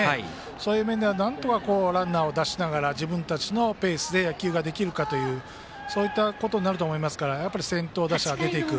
そういう面ではなんとかランナーを出しながら自分たちのペースで野球ができるかというそういうことになると思いますからやっぱり先頭打者、出ていく。